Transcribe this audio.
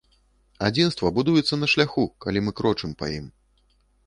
Адзінства будуецца на шляху, калі мы крочым па ім.